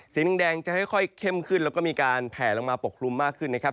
แดงจะค่อยเข้มขึ้นแล้วก็มีการแผลลงมาปกคลุมมากขึ้นนะครับ